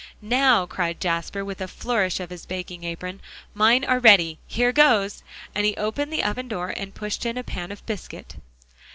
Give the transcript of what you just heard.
"Now," cried Jasper, with a flourish of his baking apron, "mine are ready. Here goes!" and he opened the oven door and pushed in a pan of biscuit.